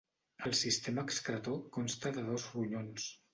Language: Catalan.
El sistema excretor consta de dos ronyons.